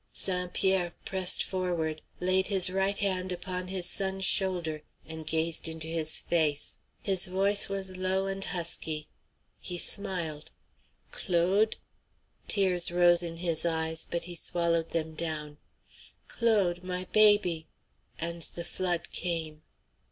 St. Pierre pressed forward, laid his right hand upon his son's shoulder, and gazed into his face. His voice was low and husky. He smiled. "Claude," tears rose in his eyes, but he swallowed them down, "Claude, my baby," and the flood came.